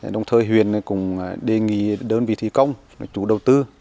đồng thời huyện cũng đề nghị đơn vị thi công chủ đầu tư